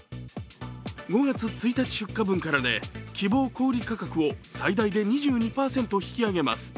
５月１日出荷分からで希望小売価格を最大で２２％引き上げます。